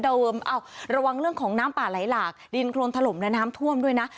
ระวังเรื่องของน้ำป่าไหลหลากดินโครนถล่มและน้ำท่วมด้วยนะ